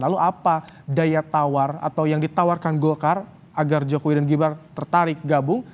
lalu apa daya tawar atau yang ditawarkan golkar agar jokowi dan gibran tertarik gabung